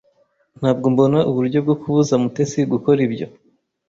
Ntabwo mbona uburyo bwo kubuza Mutesi gukora ibyo.